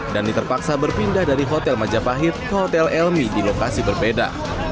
dhani terpaksa berpindah dari hotel majapahit ke hotel elmi di lokasi berbeda